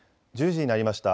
１０時になりました。